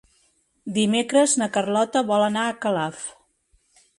Dimecres na Carlota vol anar a Calaf.